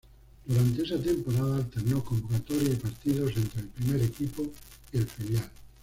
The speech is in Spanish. Durante esa temporada, alterno convocatorias y partidos entre el primer equipo y el filial.